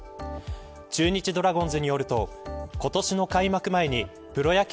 中日ドラゴンズによると今年の開幕前にプロ野球